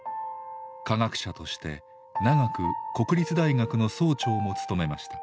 科学者として長く国立大学の総長も務めました。